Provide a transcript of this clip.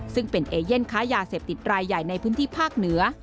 ซึ่งเป็นเอเย่นค้ายาเสพติดรายใหญ่ในพื้นที่ภาคเหนือ